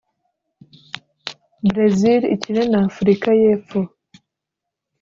Brésil ikine na Afurika y’Epfo